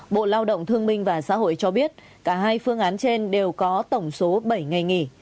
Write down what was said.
bộ lao động thương minh và xã hội cho biết cả hai phương án trên đều có tổng số bảy ngày nghỉ